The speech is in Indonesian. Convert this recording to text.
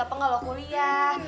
apa gak lo kuliah